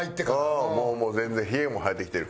もう全然ひげも生えてきてる。